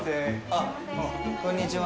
あっ、こんにちは。